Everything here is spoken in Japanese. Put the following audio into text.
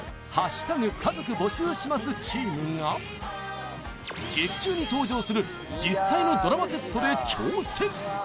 家族募集します」チームが劇中に登場する実際のドラマセットで挑戦